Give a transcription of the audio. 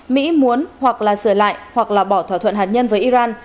mỹ muốn hoặc là sửa lại hoặc là bỏ thỏa thuận hạt nhân với iran